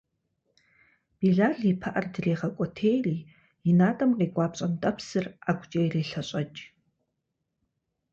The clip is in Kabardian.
Билал и пыӏэр дрегъэкӏуэтейри и натӏэм къекӏуа пщӏантӏэпсыр ӏэгукӏэ ирелъэщӏэкӏ.